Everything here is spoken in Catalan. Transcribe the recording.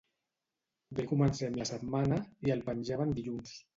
Bé comencem la setmana. I el penjaven dilluns.